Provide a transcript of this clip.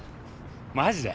マジで？